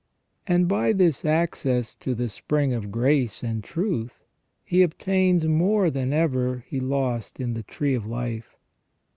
And by this access to the spring of grace and truth, he obtains more than ever he lost in the tree of life.